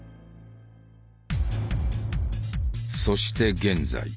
そして現在。